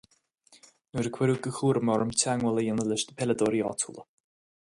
Nuair a cuireadh de chúram orm teagmháil a dhéanamh leis na peileadóirí áitiúla.